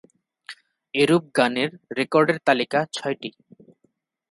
এরূপ গানের রেকর্ডের তালিকা ছয়টি।